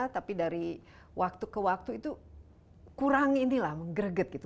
tapi dari waktu ke waktu itu kurang ini lah menggreget gitu